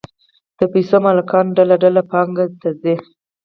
د پیسو مالکان ډله ډله بانک ته ځي